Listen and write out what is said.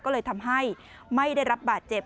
ก็เลยทำให้ไม่ได้รับบาดเจ็บ